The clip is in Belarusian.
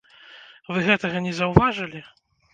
Вы гэтага не заўважылі?